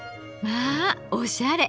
まあおしゃれ！